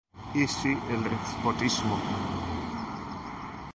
y si el despotismo